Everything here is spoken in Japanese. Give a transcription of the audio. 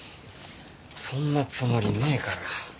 そんなつもりねえから。